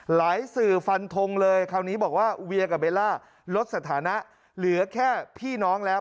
สื่อฟันทงเลยคราวนี้บอกว่าเวียกับเบลล่าลดสถานะเหลือแค่พี่น้องแล้ว